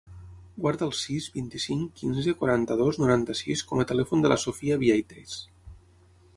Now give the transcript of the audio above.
Guarda el sis, vint-i-cinc, quinze, quaranta-dos, noranta-sis com a telèfon de la Sophia Vieitez.